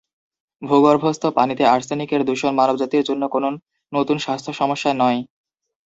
ভূগর্ভস্থ পানিতে আর্সেনিকের দূষণ মানবজাতির জন্য কোনো নতুন স্বাস্থ্য সমস্যা নয়।